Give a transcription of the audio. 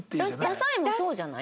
ダサいもそうじゃない？